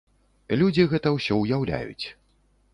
Людзі гэта ўсё ўяўляюць.